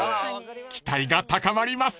［期待が高まります］